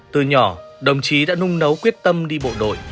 từ nhỏ đồng chí đã nung nấu quyết tâm đi bộ đội